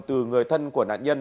từ người thân của nạn nhân